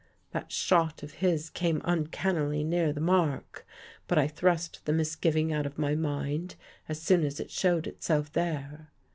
" That shot of his came uncannily near the mark, but I thrust the misgiving out of my mind as soon as it showed itself there.